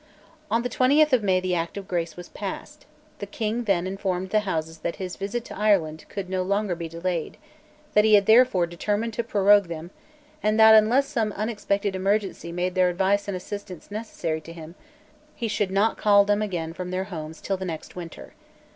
On the twentieth of May the Act of Grace was passed. The King then informed the Houses that his visit to Ireland could no longer be delayed, that he had therefore determined to prorogue them, and that, unless some unexpected emergency made their advice and assistance necessary to him, he should not call them again from their homes till the next winter.